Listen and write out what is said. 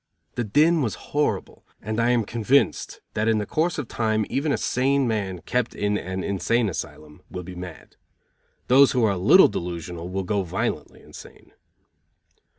The din was horrible, and I am convinced that in the course of time even a sane man kept in an insane asylum will be mad; those who are a little delusional will go violently insane.